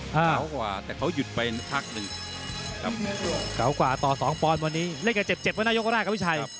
เกาะกว่าแต่เขายุดไปหนึ่งพักเลยครับ